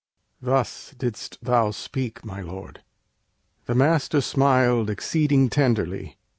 Thus didst thou speak, my lord!" The Master smiled Exceeding tenderly.